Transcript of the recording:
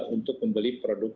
untuk membeli produk